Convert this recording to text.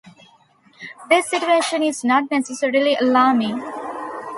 This situation is not necessarily alarming.